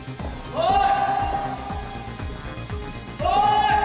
おい！